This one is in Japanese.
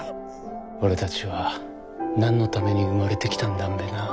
俺たちは何のために生まれてきたんだんべなぁ？